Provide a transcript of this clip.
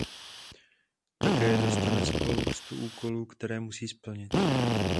Také dostane spoustu úkolů které musí splnit.